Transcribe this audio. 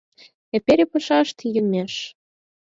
Эпере пашашт йомеш.